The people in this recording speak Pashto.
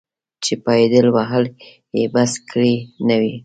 چې پایدل وهل یې بس کړي نه وي.